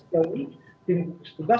jadi tim hukum tugas